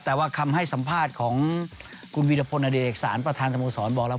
แต่ว่าคำให้สัมภาษณ์ของคุณวีรพลอเดเอกสารประธานสโมสรบอกแล้ว